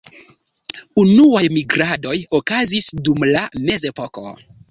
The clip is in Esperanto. Unuaj migradoj okazis dum la Mezepoko.